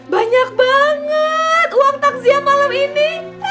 banyak banget uang takziah malam ini